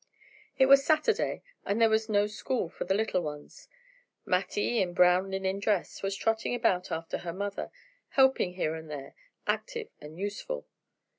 It was Saturday and there was no school for the little ones. Mattie, in brown linen dress, was trotting about after her mother, helping here and there, active and useful.